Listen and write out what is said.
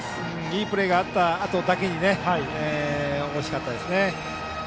いいプレーがあったあとだけに惜しかったです。